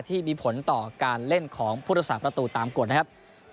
ที่มีผลต่อการเล่นของพุทธศาสตประตูตามกฎนะครับ